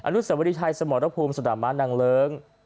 อนุสัยวัฒนิทัยสมรพภูมิสนามม้านังเลิ้ง